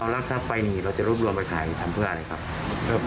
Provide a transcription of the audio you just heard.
รักษาไฟนี่เราจะรูปรวมไปขายทำเพื่ออะไรครับ